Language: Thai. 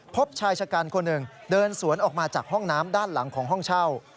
พบชายชะกันคนหนึ่งเดินสวนออกมาจากห้องน้ำด้านหลังของห้องเช่า